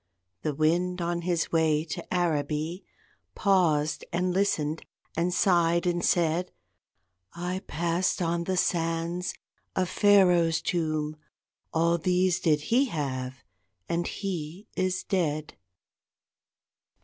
The wind on his way To Araby Paused and listened and sighed and said, "I passed on the sands A Pharaoh's tomb: All these did he have and he is dead."